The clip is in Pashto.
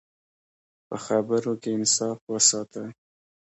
په خبرو کې انصاف وساته.